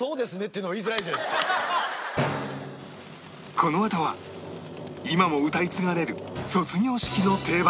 このあとは今も歌い継がれる卒業式の定番